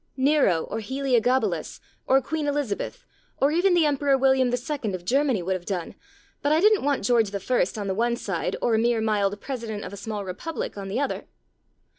Nero or Heliogabalus or Queen Elizabeth, or even the Emperor William II. of Germany would have done, but I didn't want George I. on the one side or a mere mild President of a small republic on the other.